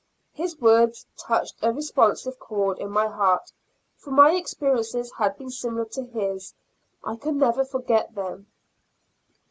His words touched a responsive chord in my heart, for my experiences had been similar to his; I can never forget them.